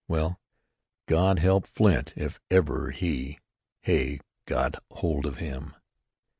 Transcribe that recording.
Well, God help Flint, if ever he, Hay, got hold of him.